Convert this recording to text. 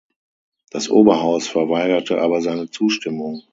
Das Oberhaus verweigerte aber seine Zustimmung.